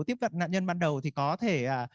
tiếp cận nạn nhân ban đầu thì có thể